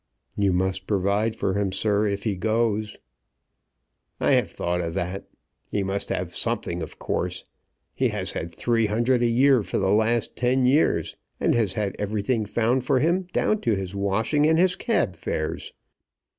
"You must provide for him, sir, if he goes." "I have thought of that. He must have something, of course. He has had three hundred a year for the last ten years, and has had everything found for him down to his washing and his cab fares.